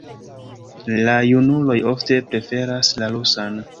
La junuloj ofte preferas la rusan.